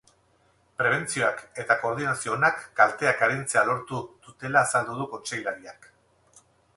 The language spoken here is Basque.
Prebentzioak eta koordinazio onak kalteak arintzea lortu dutela azaldu du kontseilariak.